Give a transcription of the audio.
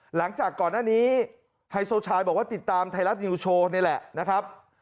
หลังจากก่อนหน้านี้ไฮโซชายบอกว่าติดตามไทยรัฐนิวโชว์นี่แหละนะครับ